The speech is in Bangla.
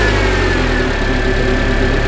তুমি একজন সিপাহীর উপর দারোয়ানি করছ না?